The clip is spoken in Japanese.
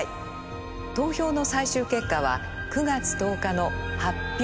投票の最終結果は９月１０日の「発表！